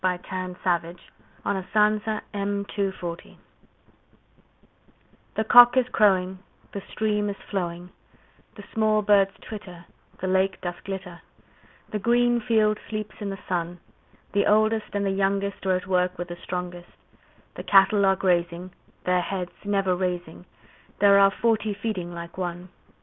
William Wordsworth Written in March THE cock is crowing, The stream is flowing, The small birds twitter, The lake doth glitter The green field sleeps in the sun; The oldest and youngest Are at work with the strongest; The cattle are grazing, Their heads never raising; There are forty feeding like one!